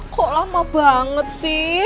kok lama banget sih